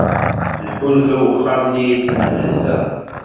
Nḥulfa i wexxam-nni yettenhezza.